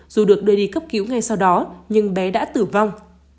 dù được đưa đi cấp cứu ngay sau đó nhưng bé đã tử vong